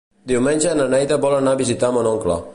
Diumenge na Neida vol anar a visitar mon oncle.